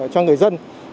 cho người dân